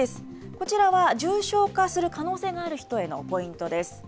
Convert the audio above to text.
こちらは重症化する可能性がある人へのポイントです。